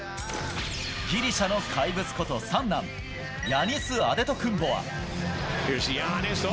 ギリシャの怪物こと三男、ヤニス・アデトクンボは。